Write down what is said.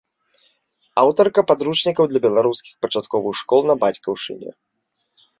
Аўтарка падручнікаў для беларускіх пачатковых школ на бацькаўшчыне.